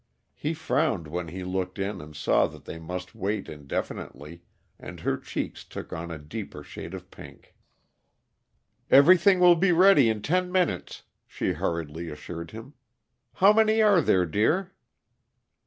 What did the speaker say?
He frowned when he looked in and saw that they must wait indefinitely, and her cheeks took on a deeper shade of pink. "Everything will be ready in ten minutes," she hurriedly assured him. "How many are there, dear?"